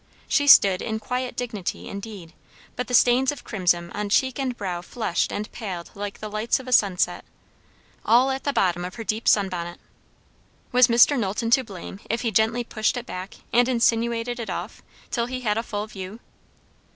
She stood in quiet dignity, indeed; but the stains of crimson on cheek and brow flushed and paled like the lights of a sunset. All at the bottom of her deep sun bonnet; was Mr. Knowlton to blame if he gently pushed it back and insinuated it off, till he had a full view?